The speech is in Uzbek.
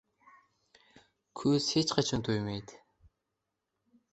• Ko‘z hech qachon to‘ymaydi.